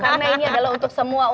karena ini adalah untuk semua umur